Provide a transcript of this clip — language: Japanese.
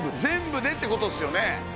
全部でってことっすよね？